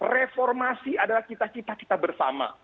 reformasi adalah kita kita bersama